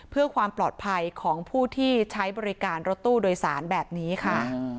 เพื่อความปลอดภัยของผู้ที่ใช้บริการรถตู้โดยสารแบบนี้ค่ะ